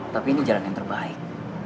tapi ini jalan yang terbaik